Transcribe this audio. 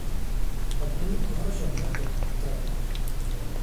Pak není ohrožen med jako potravina.